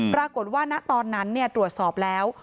ปรากฏว่าณตอนนั้นตรวจสอบแล้ว